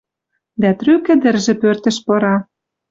Дӓ трӱк ӹдӹржӹ пӧртӹш пыра.